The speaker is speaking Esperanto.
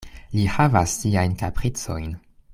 Li havas siajn kapricojn.